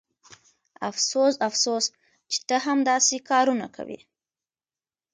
افسوس افسوس چې ته هم داسې کارونه کوې